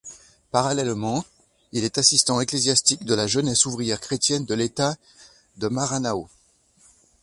Parallèlement il est assistant ecclésiastique de la Jeunesse ouvrière chrétienne de l'État de Maranhão.